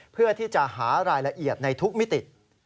เพื่อที่จะหารายละเอียดในทุกมิติ